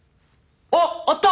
あっあった！